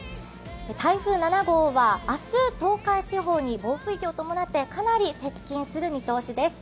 台風７号は明日、東海地方に暴風域を伴ってかなり接近する見通しです。